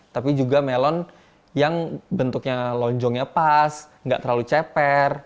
tapi juga melon yang bentuknya lonjongnya pas nggak terlalu ceper